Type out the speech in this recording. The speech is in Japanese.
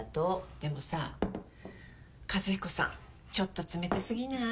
でもさ和彦さんちょっと冷たすぎない？